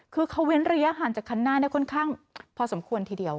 คือเขาเว้นระยะห่างจากคันหน้าค่อนข้างพอสมควรทีเดียว